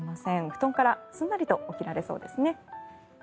布団からすんなりと起きられそうですね。